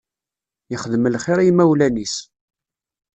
Yexdem lxiṛ i yimawlan-is.